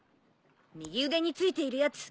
右腕についているやつ。